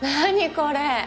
これ。